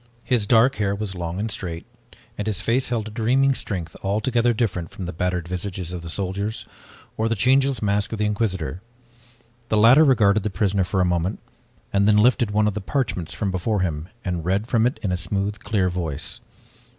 His dark hair was long and straight, and his face held a dreaming strength, altogether different from the battered visages of the soldiers or the changeless mask of the Inquisitor. The latter regarded the prisoner for a moment, and then lifted one of the parchments from before him and read from it in a smooth, clear voice.